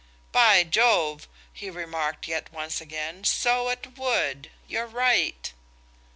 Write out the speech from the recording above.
"By Jove!" he remarked yet once again, "so it would. You're right!"